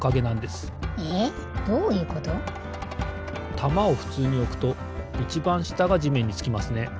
たまをふつうにおくといちばんしたがじめんにつきますね。